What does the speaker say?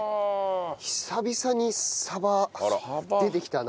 久々にサバ出てきたな。